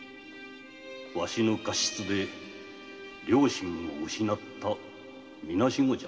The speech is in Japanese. わしの過失で両親を失ったみなしごじゃ。